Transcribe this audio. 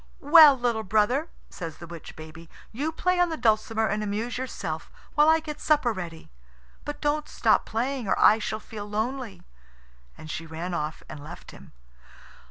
"Well, little brother," says the witch baby, "you play on the dulcimer and amuse yourself while I get supper ready. But don't stop playing, or I shall feel lonely." And she ran off and left him.